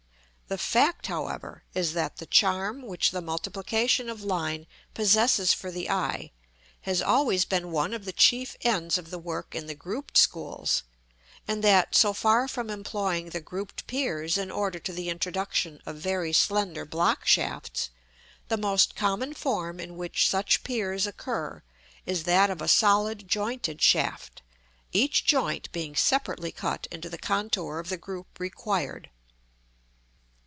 The fact, however, is that the charm which the multiplication of line possesses for the eye has always been one of the chief ends of the work in the grouped schools; and that, so far from employing the grouped piers in order to the introduction of very slender block shafts, the most common form in which such piers occur is that of a solid jointed shaft, each joint being separately cut into the contour of the group required.